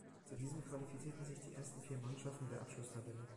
Zu diesem qualifizierten sich die ersten vier Mannschaften der Abschlusstabelle.